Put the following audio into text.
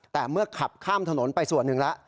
แต่เมื่อขับข้ามถนนไปส่วนหนึ่งแล้ว